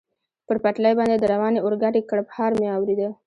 پر پټلۍ باندې د روانې اورګاډي کړپهار مې اورېده.